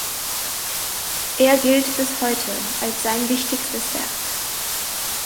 Er gilt bis heute als sein wichtigstes Werk.